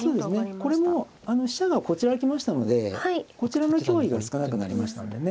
これも飛車がこちらへ来ましたのでこちらの脅威が少なくなりましたんでね。